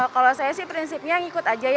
kalau saya sih prinsipnya ngikut aja ya